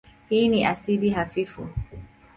Hii ni asidi hafifu.